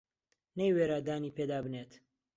نەیوێرا دانی پێدا بنێت